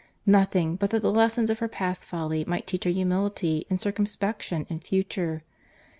Nothing, but that the lessons of her past folly might teach her humility and circumspection in future.